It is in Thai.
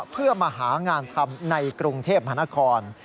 เพื่อมาหางานทำในกรุงเทพมหานคร